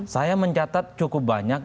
saya mencatat cukup banyak